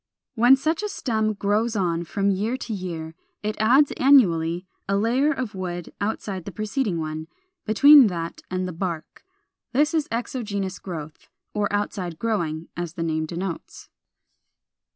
] 429. When such a stem grows on from year to year, it adds annually a layer of wood outside the preceding one, between that and the bark. This is exogenous growth, or outside growing, as the name denotes.